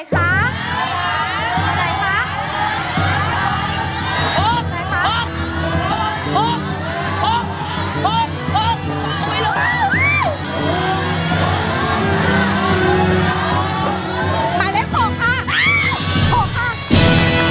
ไหนค่ะ